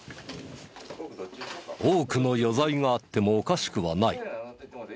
多くの余罪があってもおかしくはない。